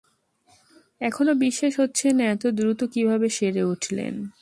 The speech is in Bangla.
এখনো বিশ্বাস হচ্ছে না এত দ্রুত কীভাবে সেরে উঠলেন?